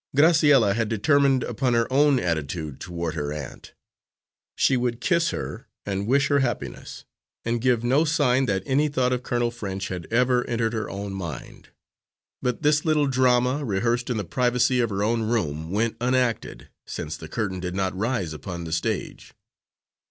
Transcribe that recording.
Graciella had determined upon her own attitude toward her aunt. She would kiss her, and wish her happiness, and give no sign that any thought of Colonel French had ever entered her own mind. But this little drama, rehearsed in the privacy of her own room, went unacted, since the curtain did not rise upon the stage.